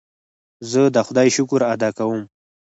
زه د خدای شکر ادا کوم.